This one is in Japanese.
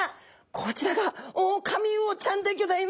こちらがオオカミウオちゃんでギョざいます。